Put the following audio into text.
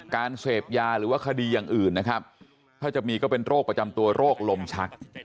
การเสพยาหรือว่าคดีอย่างอื่นนะครับถ้าจะมีก็เป็นโรคประจำตัวโรคลมชัก